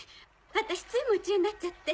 私つい夢中になっちゃって。